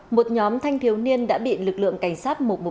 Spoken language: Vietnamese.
một nhóm thanh thiếu niên đã bị lực lượng cảnh sát một trăm một mươi một